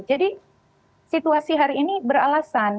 jadi situasi hari ini beralasan